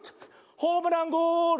ホームランゴール！